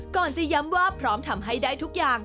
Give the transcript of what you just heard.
ก่อนจะย้ำว่าพร้อมทำให้ได้ทุกอย่าง